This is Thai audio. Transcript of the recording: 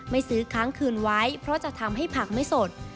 ไม่ซื้อค้างคืนไว้เพราะจะทำให้ผักไม่สด